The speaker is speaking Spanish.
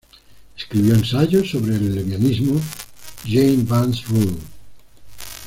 Escribió ensayos sobre el lesbianismo Jane Vance Rule.